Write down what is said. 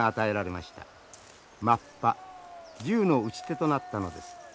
マッパ銃の撃ち手となったのです。